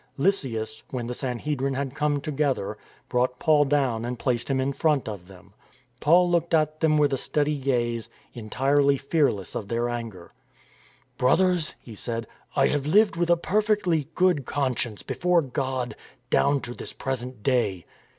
Lysias, when the Sanhedrin had come together, brought Paul down and placed him in front of them. Paul looked at them with a steady gaze, entirely fear less of their anger. " Brothers," he said, " I have lived with a perfectly good conscience before God down to this present day."